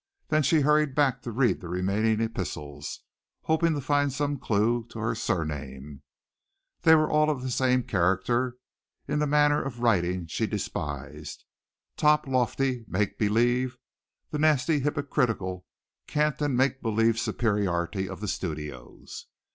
Then she hurried back to read the remaining epistles, hoping to find some clue to her surname. They were all of the same character, in the manner of writing she despised, top lofty, make believe, the nasty, hypocritical, cant and make believe superiority of the studios.